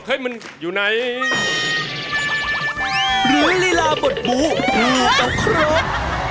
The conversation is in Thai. หรือลีลาบทบุหรือก็ครบ